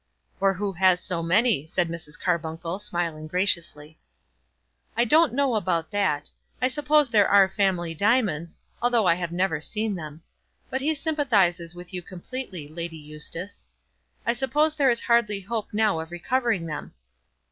"Or who has so many," said Mrs. Carbuncle, smiling graciously. "I don't know about that. I suppose there are family diamonds, though I have never seen them. But he sympathises with you completely, Lady Eustace. I suppose there is hardly hope now of recovering them."